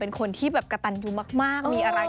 เป็นคนที่แบบกระตันยูมากมีอะไร